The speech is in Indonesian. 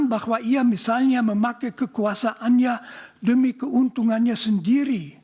bahwa ia misalnya memakai kekuasaannya demi keuntungannya sendiri